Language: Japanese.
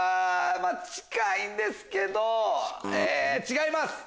近いんですけど違います。